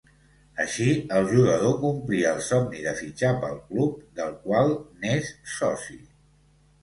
Així, el jugador complia el somni de fitxar pel club del qual n'és soci.